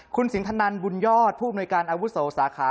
คุณสินทนันบุญยอดผู้อำนวยการอาวุโสสาขา